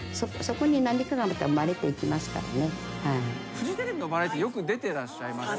フジテレビのバラエティーよく出てらっしゃいました。